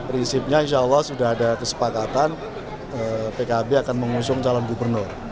prinsipnya insya allah sudah ada kesepakatan pkb akan mengusung calon gubernur